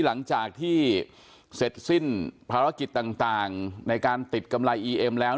หลังจากที่เสร็จสิ้นภารกิจต่างในการติดกำไรอีเอ็มแล้ว